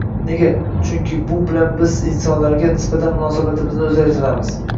Nega? Chunki bu bilan biz insonlarga nisbatan munosabatimizni o‘zgartiramiz: